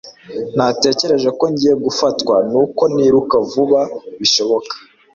Natekereje ko ngiye gufatwa nuko niruka vuba bishoboka